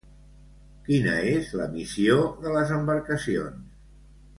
Quina és la missió de les embarcacions?